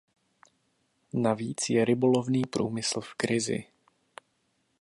Navíc je rybolovný průmysl v krizi.